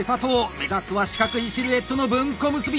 目指すは四角いシルエットの文庫結び！